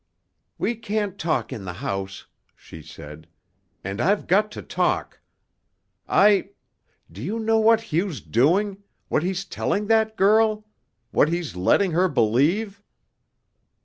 "We can't talk in the house," she said, "and I've got to talk. I Do you know what Hugh's doing what he's telling that girl? What he's letting her believe?"